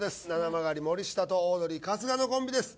まがり森下とオードリー春日のコンビです